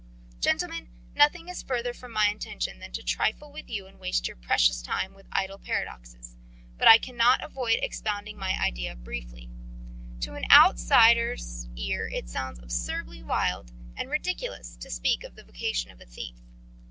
Gentlemen, nothing is further from my intention than to trifle with you and waste your precious time with idle paradoxes; but I cannot avoid expounding my idea briefly. To an outsider's ear it sounds absurdly wild and ridiculous to speak of the vocation of a thief.